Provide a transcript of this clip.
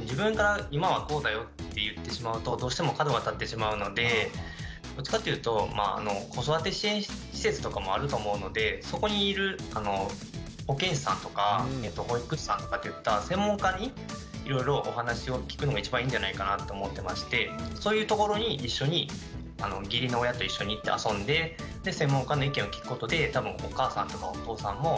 自分が今はこうだよって言ってしまうとどうしても角が立ってしまうのでどっちかっていうと子育て支援施設とかもあると思うのでそこにいる保健師さんとか保育士さんとかといった専門家にいろいろお話を聞くのが一番いいんじゃないかなと思ってましてそういうところに「今はそうなんだね」っていうふうにあいいですね。